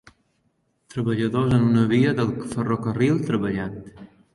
Treballadors en una via del ferrocarril treballant